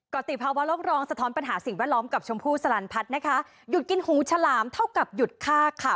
ติภาวะโลกรองสะท้อนปัญหาสิ่งแวดล้อมกับชมพู่สลันพัฒน์นะคะหยุดกินหูฉลามเท่ากับหยุดฆ่าค่ะ